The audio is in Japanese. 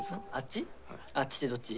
あっちってどっち？